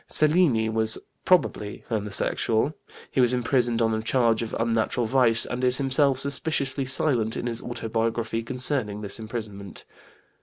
Cellini was probably homosexual. He was imprisoned on a charge of unnatural vice and is himself suspiciously silent in his autobiography concerning this imprisonment.